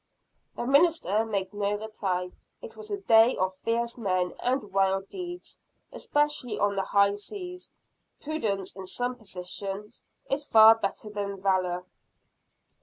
The minister made no reply. It was a day of fierce men and wild deeds especially on the high seas. Prudence in some positions is far better than valor.